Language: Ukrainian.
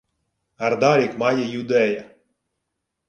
— Ардарік має юдея.